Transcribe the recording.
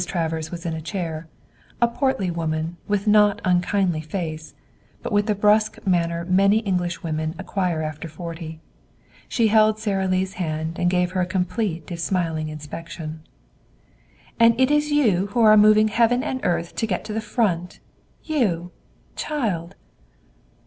Travers was in a chair, a portly woman with a not unkindly face, but the brusque manner many Englishwomen acquire after forty. She held Sara Lee's hand and gave her a complete if smiling inspection. "And it is you who are moving heaven and earth to get to the Front! You child!"